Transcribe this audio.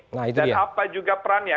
nah itu dia dan apa juga perannya